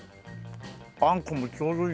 あんこもちょうどいい。